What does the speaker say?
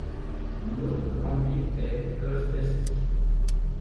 Une autre grande ville est Costești.